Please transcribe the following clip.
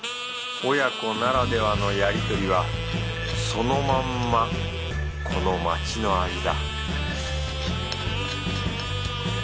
親子ならではのやりとりはそのまんまこの街の味だ